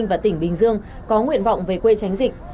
và tỉnh bình dương có nguyện vọng về quê tránh dịch